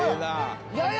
やや！